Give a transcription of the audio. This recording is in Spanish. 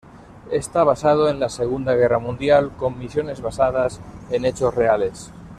Está basado en la segunda guerra mundial, con misiones basadas en hechos reales.